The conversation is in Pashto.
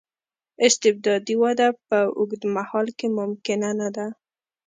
استبدادي وده په اوږد مهال کې ممکنه نه ده.